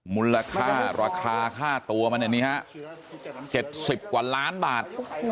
มูลค่าราคาค่าตัวมันอย่างนี้ฮะ๗๐กว่าล้านบาท